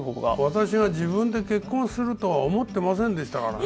私は自分で結婚するとは思ってませんでしたからね。